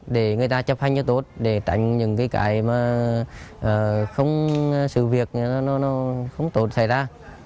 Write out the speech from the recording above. để người ta chấp hành cho tốt để tránh những cái mà không sự việc nó không tốt xảy ra